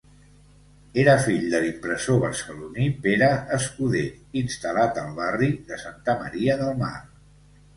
Era fill de l'impressor barceloní Pere Escuder instal·lat al barri de Santa Maria del Mar.